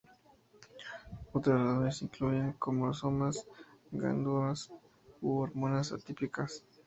Otras razones incluyen cromosomas, gónadas u hormonas atípicas.